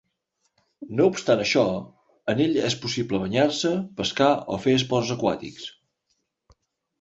No obstant això, en ell és possible banyar-se, pescar o fer esports aquàtics.